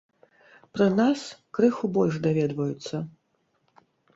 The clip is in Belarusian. Пра нас крыху больш даведваюцца.